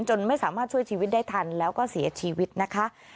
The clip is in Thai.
ไม่สามารถช่วยชีวิตได้ทันแล้วก็เสียชีวิตนะคะ